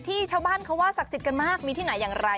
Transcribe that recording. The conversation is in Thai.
ชาวบ้านเขาว่าศักดิ์สิทธิ์กันมากมีที่ไหนอย่างไร